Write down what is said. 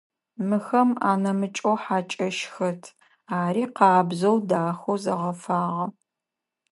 Мыхэм анэмыкӏэу хьакӏэщ хэт, ари къабзэу, дахэу зэгъэфагъэ.